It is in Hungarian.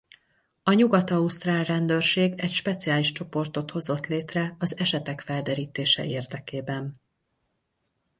A nyugat-ausztrál rendőrség egy speciális csoportot hozott létre az esetek felderítése érdekében.